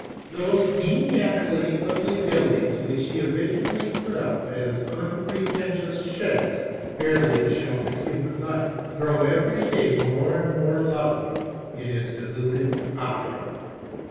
Those maniacally ugly buildings which he originally put up as unpretentious sheds barely to shelter human life, grow every day more and more lovely to his deluded eye.